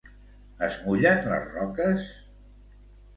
Es mullen les roques?